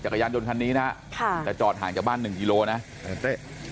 จักรยานยนต์คันนี้นะแต่จอดห่างจากบ้าน๑กิโลนะ